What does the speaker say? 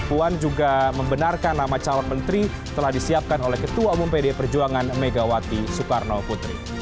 puan juga membenarkan nama calon menteri telah disiapkan oleh ketua umum pd perjuangan megawati soekarno putri